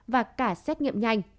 và cả xét nghiệm nhanh